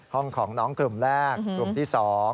ห้องของน้องกลุ่มแรกกลุ่มที่๒